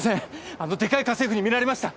あのでかい家政婦に見られました。